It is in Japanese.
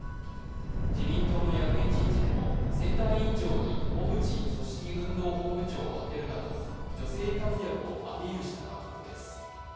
自民党の役員人事でも選対委員長に小渕組織運動本部長をあてるなど女性活躍をアピールした格好です。